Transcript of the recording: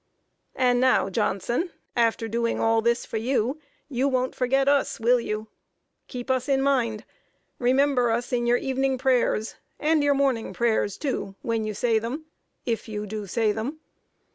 "And now, Johnson, after doing all this for you, you won't forget us, will you? Keep us in mind. Remember us in your evening prayers, and your morning prayers, too, when you say them, if you do say them.